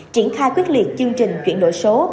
triển khai quyết liệt chương trình chuyển đổi số